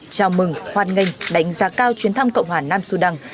chào mừng hoan nghênh đánh giá cao chuyến thăm cộng hòa nam sudan